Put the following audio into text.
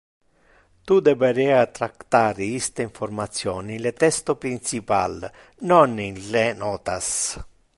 Tu deberea tractar iste information in le texto principal, non in le notas.